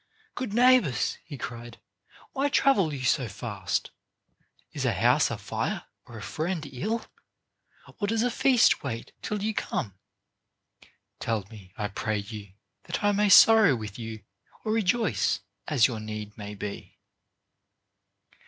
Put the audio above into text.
"Good neighbors," he cried, "why travel you so fast? Is a house afire or a friend ill; or does a feast wait till you come? Tell me, I pray you, that I may sorrow with you, or rejoice, as your need may be."